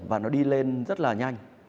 và nó đi lên rất là nhanh